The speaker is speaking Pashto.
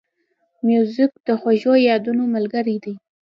موزیک د خوږو یادونو ملګری دی.